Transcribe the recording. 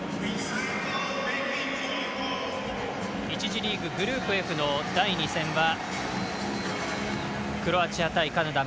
１次リーグ、グループＦの第２戦はクロアチア対カナダ。